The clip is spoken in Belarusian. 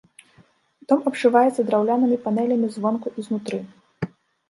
Дом абшываецца драўлянымі панелямі звонку і знутры.